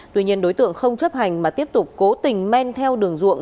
tuy nhiên đối tượng không chấp hành mà tiếp tục cố tình men theo đường ruộng